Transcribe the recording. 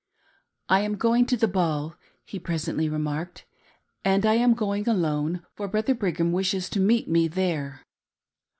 " I am going to the ball," he presently remarked, " and I am going alone, for Brother Brigham wishes me to meet him there."